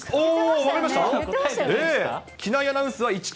分かりました？